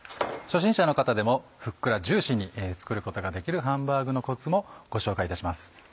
初心者の方でもふっくらジューシーに作ることができるハンバーグのコツもご紹介いたします。